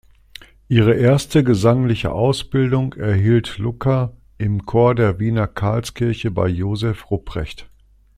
Ihre erste gesangliche Ausbildung erhielt Lucca im Chor der Wiener Karlskirche bei Joseph Rupprecht.